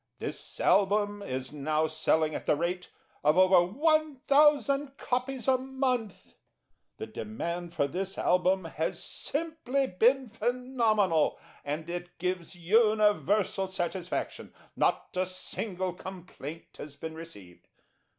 This Album is now selling at the rate of over 1,000 copies a month. The demand for this Album has simply been phenomenal, and it gives universal satisfaction not a single complaint has been received.